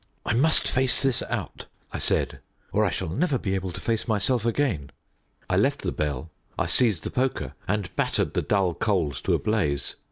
"I must face this out," I said, "or I shall never be able to face myself again." I left the bell, I seized the poker, and battered the dull coals to a blaze.